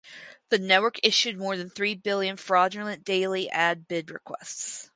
The network issued more than three billion fraudulent daily ad bid requests.